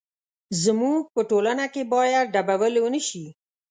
زموږ په ټولنه کې باید ډيل ونه شي.